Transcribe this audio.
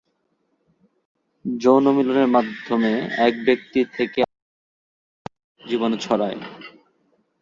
যৌনমিলনের মাধ্যমে এক ব্যক্তি থেকে আরেকজনের দেহে এই রোগের জীবাণু ছড়ায়।